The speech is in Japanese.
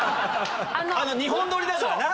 二本撮りだからな。